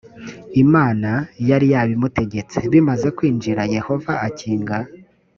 imana yari yabimutegetse bimaze kwinjira yehova akinga